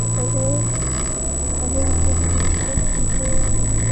তবে তাবুক যুদ্ধে তিনি তা করলেন না।